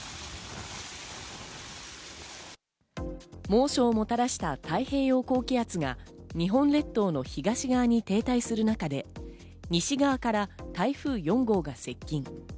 猛暑をもたらした太平洋高気圧が日本列島の東側に停滞する中で、西側から台風４号が接近。